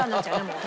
もう。